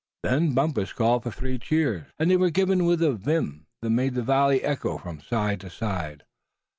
Then Bumpus called for three cheers, and they were given with a vim that made the valley echo from side to side.